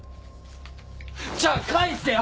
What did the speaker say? じゃあ返せよ！